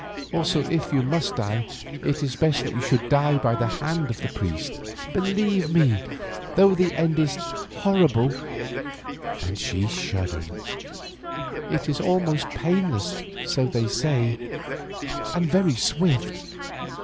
Also if you must die, it is best that you should die by the hand of the priest. Believe me, though the end is horrible," and she shuddered, "it is almost painless, so they say, and very swift.